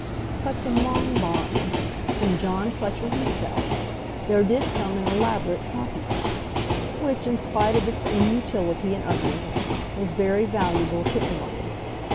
But from Longbarns, from John Fletcher himself, there did come an elaborate coffee pot, which, in spite of its inutility and ugliness, was very valuable to Emily.